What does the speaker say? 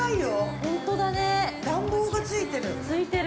◆本当だね、暖房がついてる。